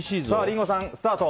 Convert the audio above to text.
リンゴさん、スタート。